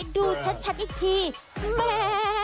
ดูชัดอีกทีแหม